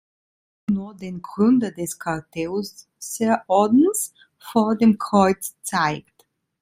Bruno, den Gründer des Kartäuserordens, vor dem Kreuz zeigt.